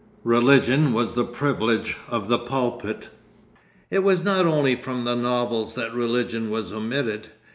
Religion was the privilege of the pulpit.... It was not only from the novels that religion was omitted.